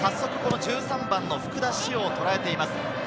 １３番の福田師王をとらえています。